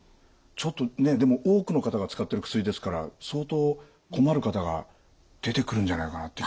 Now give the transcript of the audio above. ちょっとねえでも多くの方が使ってる薬ですから相当困る方が出てくるんじゃないかなって気はするんですけど。